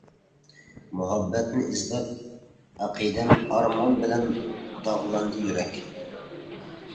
مۇھەببەتنى ئىزدەپ ئەقىدەم، ئارمان بىلەن داغلاندى يۈرەك.